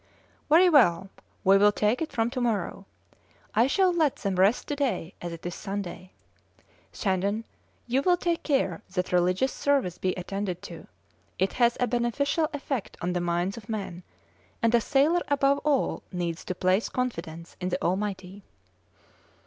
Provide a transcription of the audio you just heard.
"Very well, we will take it from to morrow. I shall let them rest to day as it is Sunday. Shandon, you will take care that religious service be attended to; it has a beneficial effect on the minds of men, and a sailor above all needs to place confidence in the Almighty."